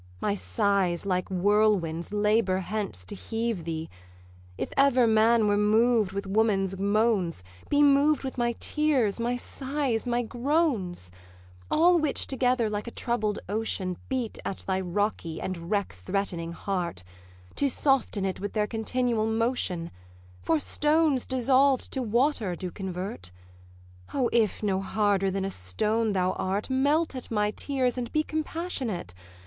My sighs, like whirlwinds, labour hence to heave thee: If ever man were moved with woman's moans, Be moved with my tears, my sighs, my groans: 'All which together, like a troubled ocean, Beat at thy rocky and wreck threatening heart, To soften it with their continual motion; For stones dissolved to water do convert. O, if no harder than a stone thou art, Melt at my tears, and be compassionate!